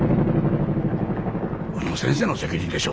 宇野先生の責任でしょう。